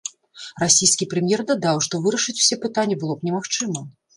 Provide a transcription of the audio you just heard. Расійскі прэм'ер дадаў, што вырашыць усе пытанні было б немагчыма.